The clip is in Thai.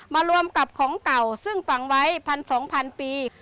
มารวมกับของเก่าซึ่งฝังไว้๑๒๐๐๐ปี